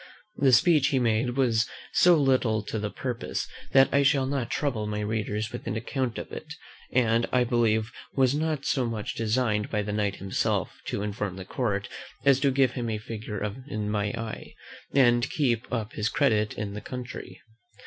The speech he made was so little to the purpose, that I shall not trouble my readers with an account of it; and I believe was not so much designed by the Knight himself to inform the court, as to give him a figure in my eye, and keep up his credit in the country.